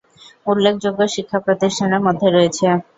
উল্লেখযোগ্য শিক্ষাপ্রতিষ্ঠানের মধ্যে রয়েছে;